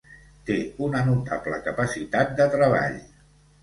Té una notable capacitat de treball.